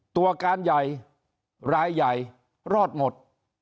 ตัวการใหญ่รายใหญ่รอดหมด